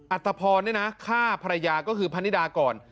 อัตภพรฆ่าภรรยาก็คือพนิดาก่อน